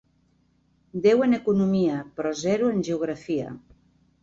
Deu en economia però zero en geografia.